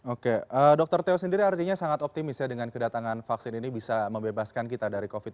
oke dr teo sendiri artinya sangat optimis ya dengan kedatangan vaksin ini bisa membebaskan kita dari covid sembilan belas